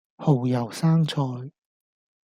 蠔油生菜